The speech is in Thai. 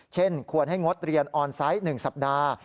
ควรให้งดเรียนออนไซต์๑สัปดาห์